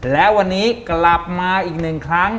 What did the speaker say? และวันนี้กลับมาอีกหนึ่งครั้ง